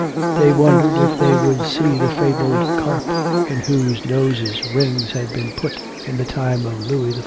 They wondered if they would see the fabled carp in whose noses rings had been put in the time of Louis XIV.